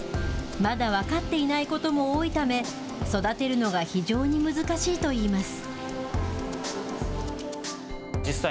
まだ分かっていないことも多いため、育てるのが非常に難しいといいます。